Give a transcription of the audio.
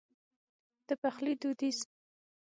د پخلي دوديز